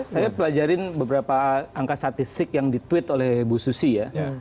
saya pelajarin beberapa angka statistik yang di tweet oleh bu susi ya